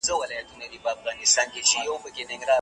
مارکوپولو ایټالیا او آسیا ته سفرونه وکړل.